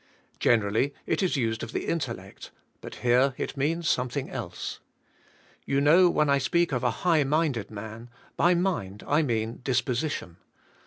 Generally it is used of the intellect, but here it means something* else. You know when I speak of a hig"hminded man, by mind I mean dis position.